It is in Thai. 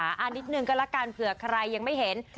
นิดนึงก็ละกันเผื่อใครยังไม่เห็น